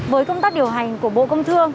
với công tác điều hành của bộ công thương